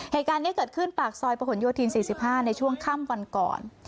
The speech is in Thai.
เหตุการณ์นี้เกิดขึ้นปากซอยประหลโยธิน๔๕ในช่วงค่ำวันก่อน